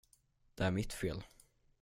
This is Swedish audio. Det är mitt fel.